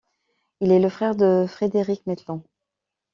Il est le frère de Frederick Maitland.